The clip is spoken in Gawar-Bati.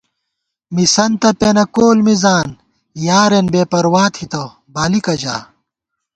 مِسَنتہ پېنہ کول مِزان یارېن بے پروا تھِتہ بالِکہ ژا